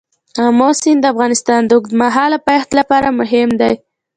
آمو سیند د افغانستان د اوږدمهاله پایښت لپاره مهم دی.